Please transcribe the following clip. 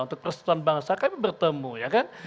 untuk persatuan bangsa kami bertemu ya kan